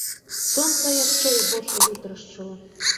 Сонца ярчэй вочы вытарашчыла.